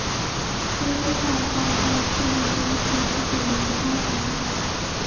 脱机外挂在赤壁中是不可能发展的。